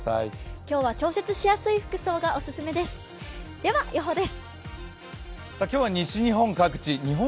今日は調節しやすい服装がオススメです。